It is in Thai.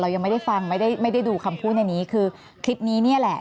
ยังไม่ได้ฟังไม่ได้ไม่ได้ดูคำพูดในนี้คือคลิปนี้เนี่ยแหละ